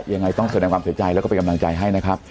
ยังไงต้องแสดงความเสียใจแล้วก็เป็นกำลังใจให้นะครับ